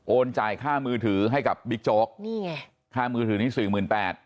จ่ายค่ามือถือให้กับบิ๊กโจ๊กนี่ไงค่ามือถือนี้สี่หมื่นแปด